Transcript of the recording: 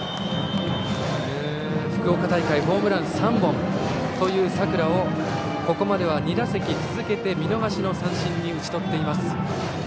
福岡大会ホームラン３本という佐倉をここまでは２打席連続の見逃しの三振に打ち取っています。